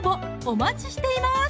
お待ちしています